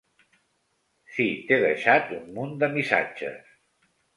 Si t'he deixat un munt de missatges.